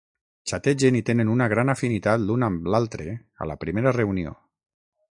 Xategen i tenen una gran afinitat l'un amb l'altre a la primera reunió.